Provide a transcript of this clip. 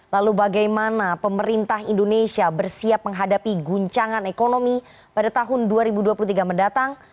lalu bagaimana pemerintah indonesia bersiap menghadapi guncangan ekonomi pada tahun dua ribu dua puluh tiga mendatang